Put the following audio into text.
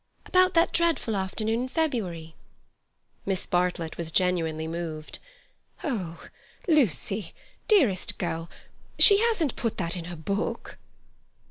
"About that dreadful afternoon in February." Miss Bartlett was genuinely moved. "Oh, Lucy, dearest girl—she hasn't put that in her book?"